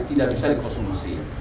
tidak bisa dikonsumsi